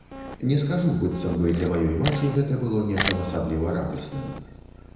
Не скажу, быццам бы для маёй маці гэта было нечым асабліва радасным.